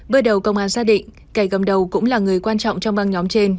bước đầu công an xác định cây gầm đầu cũng là người quan trọng trong băng nhóm trên